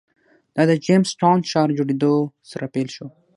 دا د جېمز ټاون ښار جوړېدو سره پیل شو.